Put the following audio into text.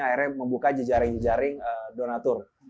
akhirnya membuka jejaring jejaring donatur